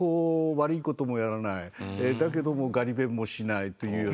だけどもガリ勉もしないというようなね。